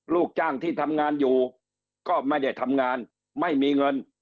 ลูกจ้างที่ทำงานอยู่ก็ไม่ได้ทำงานไม่มีเงิน